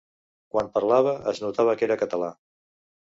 Quan parlava, es notava que era català.